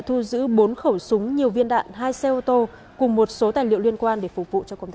thưa quý vị nhiều người dân đã hoảng hốt